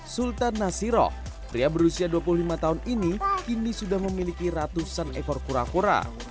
sultan nasiro pria berusia dua puluh lima tahun ini kini sudah memiliki ratusan ekor kura kura